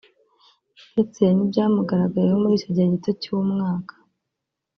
ndetse n’ibyamugaragayeho muri icyo gihe gito cy’umwaka